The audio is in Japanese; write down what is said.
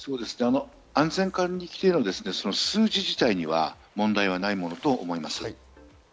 安全管理規定の数字自体には問題はないものと思います。